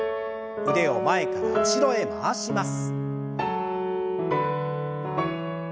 腕を前から後ろへ回します。